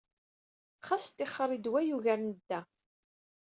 Xas tixeṛ i ddwa yugaren dda.